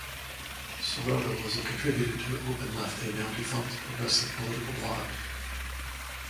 Sirota was a contributor to OpenLeft, a now-defunct progressive political blog.